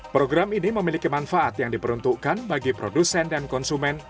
program ini memiliki manfaat yang diperuntukkan bagi produsen dan konsumen